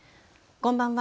こんばんは。